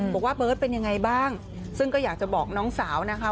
บอกว่าเบิร์ตเป็นยังไงบ้างซึ่งก็อยากจะบอกน้องสาวนะคะ